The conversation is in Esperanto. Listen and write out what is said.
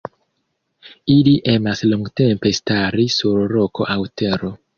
Ili emas longtempe stari sur roko aŭ tero.